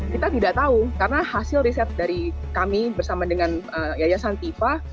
kita tidak tahu karena hasil riset dari kami bersama dengan yayasan tipa